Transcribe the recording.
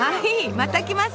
また来ます。